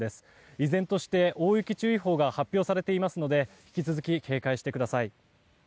依然として大雪注意報が発表されていますので引き続き警戒してください。